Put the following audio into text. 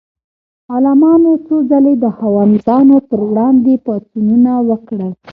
غلامانو څو ځلې د خاوندانو پر وړاندې پاڅونونه وکړل.